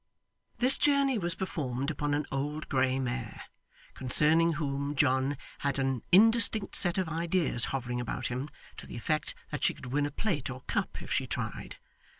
This journey was performed upon an old grey mare, concerning whom John had an indistinct set of ideas hovering about him, to the effect that she could win a plate or cup if she tried.